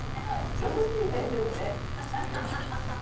楽しいねでもねこれ。